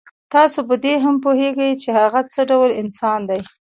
تاسو په دې هم پوهېږئ چې هغه څه ډول انسان دی.